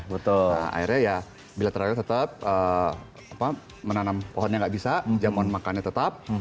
nah akhirnya ya bilateral tetap menanam pohonnya nggak bisa jamuan makannya tetap